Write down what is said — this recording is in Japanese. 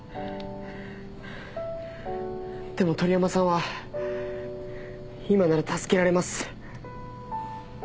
でも鳥山さんは今なら助けられます。